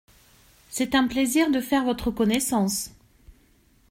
C’est un plaisir de faire votre connaissance.